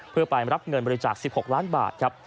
เพื่อไปรับเงินบริจาค๑๖ล้านบาทครับ